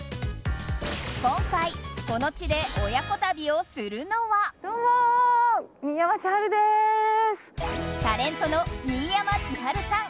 今回、この地で親子旅をするのはタレントの新山千春さん